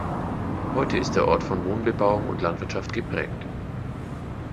Heute ist der Ort von Wohnbebauung und Landwirtschaft geprägt.